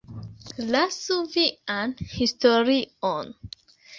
Lasu vian historion!